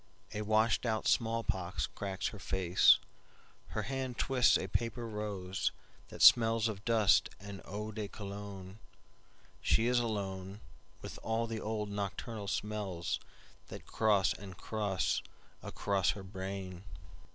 A washed out smallpox cracks her face, Her hand twists a paper rose, That smells of dust and old Cologne, She is aloneWith all the old nocturnal smellsThat cross and cross across her brain.